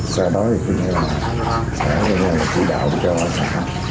sau đó thì khu vực này sẽ được chủ đạo cho sản xuất